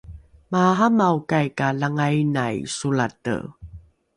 maaramaokai ka langainai solate